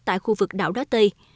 tại khu vực đảo đá tây